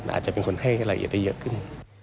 อาจจะเป็นคนให้รายละเอียดได้เยอะขึ้น